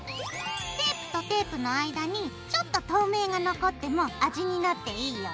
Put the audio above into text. テープとテープの間にちょっと透明が残っても味になっていいよ。